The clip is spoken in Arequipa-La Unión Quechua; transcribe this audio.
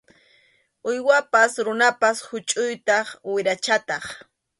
Uywapas runapas huchʼuytaq wirachataq.